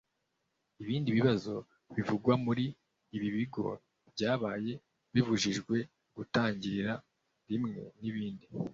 Ibindi bibazo bivugwa muri ibi bigo byabaye bibujijwe gutangirira rimwe n’ibindi